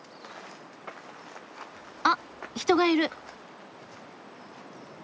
あっ人がいる。